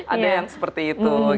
ada yang seperti itu